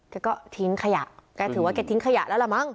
แกก็ทิ้งขยะแกถือว่าแกทิ้งขยะแล้วล่ะมั้ง